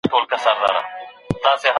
په قدم وهلو کي بدن ته زیان نه رسول کېږي.